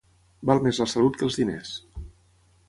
Val més la salut que els diners.